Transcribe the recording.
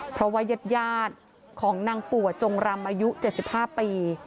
เพราะว่ายัดยาติของนางปวดจงรำอายุเจ็ดสิบห้าปี